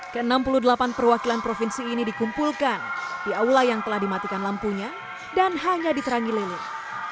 ke enam puluh delapan perwakilan provinsi ini dikumpulkan di aula yang telah dimatikan lampunya dan hanya diterangi lilin